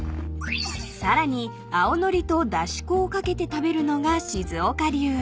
［さらに青のりとだし粉を掛けて食べるのが静岡流］